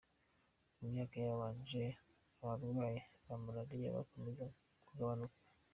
Mu myaka yabanje, abarwayi ba malaria bakomezaga kugabanuka.